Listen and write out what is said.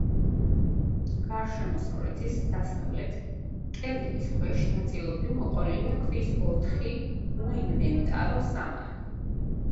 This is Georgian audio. გარშემოსავლელის დასავლეთ კედლის ქვეშ ნაწილობრივ მოყოლილია ქვის ოთხი უინვენტარო სამარხი.